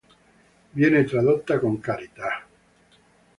Viene tradotta con carità.